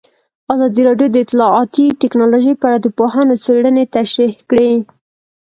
ازادي راډیو د اطلاعاتی تکنالوژي په اړه د پوهانو څېړنې تشریح کړې.